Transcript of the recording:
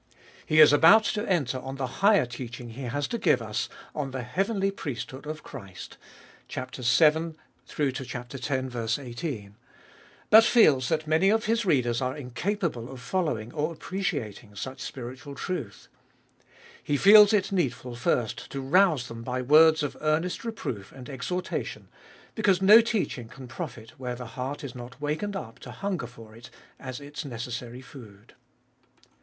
He is about to enter on the higher teaching he has to give us on the heavenly priesthood of Christ (vii. x. 1 8), but feels that many of his readers are incapable of following or appreciating such spiritual truth. He feels it needful first to rouse them by words of earnest reproof and exhortation, because no teaching can profit where the heart is not wakened up to hunger for it as its necessary food.